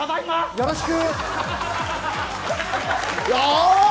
よろしく。